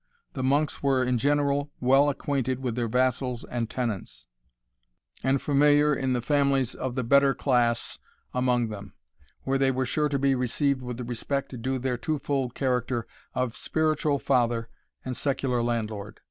The monks were in general well acquainted with their vassals and tenants, and familiar in the families of the better class among them, where they were sure to be received with the respect due to their twofold character of spiritual father and secular landlord.